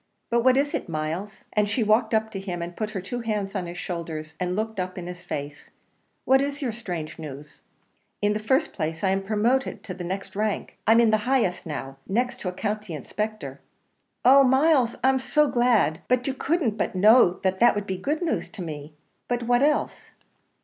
"But what is it, Myles?" and she walked up to him, and put her two hands on his shoulders, and looked up in his face "what is your strange news?" "In the first place, I am promoted to the next rank. I'm in the highest now, next to a County Inspector." "Oh! Myles, I'm so glad! but you couldn't but know that would be good news to me; but what else?"